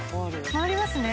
回りますね。